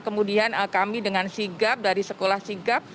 kemudian kami dengan sigap dari sekolah sigap